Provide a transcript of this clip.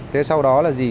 thế sau đó là gì